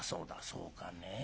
「そうかねぇ。